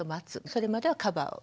それまではカバーを。